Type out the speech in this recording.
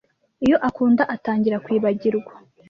iyo akunda atangira kwibagirwa.